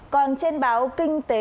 còn trên báo kinh tế